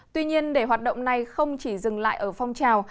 tuy nhiên để hoạt động này không chỉ dừng lại ở phong trào